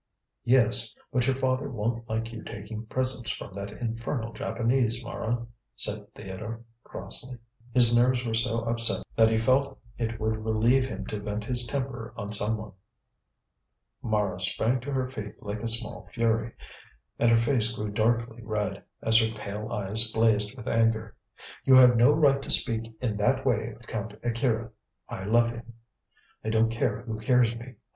"Yes, but your father won't like you taking presents from that infernal Japanese, Mara," said Theodore, crossly. His nerves were so upset that he felt it would relieve him to vent his temper on someone. Mara sprang to her feet like a small fury, and her face grew darkly red, as her pale eyes blazed with anger. "You have no right to speak in that way of Count Akira. I love him; I don't care who hears me.